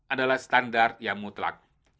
adalah standar yang mutlak